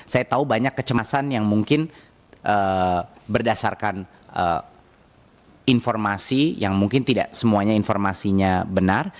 saya tahu banyak kecemasan yang mungkin berdasarkan informasi yang mungkin tidak semuanya informasinya benar